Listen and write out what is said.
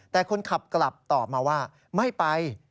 แต่คนขับกลับตอบมาว่าไม่ไป